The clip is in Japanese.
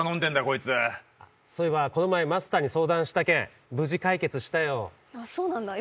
こいつあっそういえばこの前マスターに相談した件無事解決したよそうなんだ